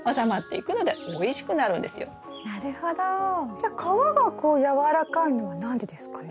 じゃあ皮がこう軟らかいのは何でですかね？